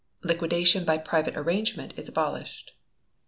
Liquidation by private arrangement is abolished.